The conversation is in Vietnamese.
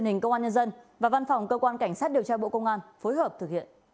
thì liên hệ cơ quan cảnh sát điều tra công an huyện đồng phú